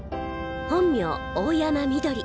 本名大山みどり。